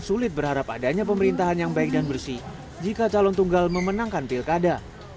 sulit berharap adanya pemerintahan yang baik dan bersih jika calon tunggal memenangkan pilkada